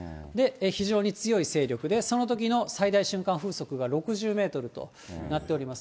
非常に強い勢力で、そのときの最大瞬間風速が６０メートルとなっております。